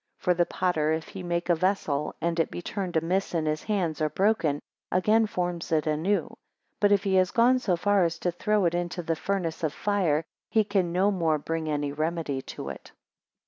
For the potter if he make a vessel, and it be turned amiss in his hands, or broken, again forms it anew; but if he has gone so far as to throw it into the furnace of fire, he can no more bring any remedy to it.